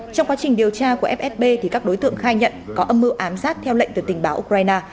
trong quá trình điều tra của fsb thì các đối tượng khai nhận có âm mưu ám sát theo lệnh từ tình báo ukraine